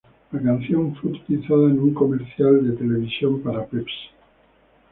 La canción fue utilizada en un comercial de televisión para Pepsi.